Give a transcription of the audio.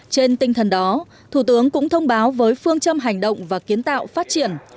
trên tinh thần đó thủ tướng cũng thông báo với phương châm hành động và kiến tạo phát triển